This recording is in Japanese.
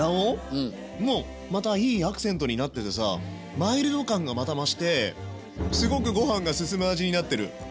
うん。もまたいいアクセントになっててさマイルド感がまた増してすごくごはんがすすむ味になってる。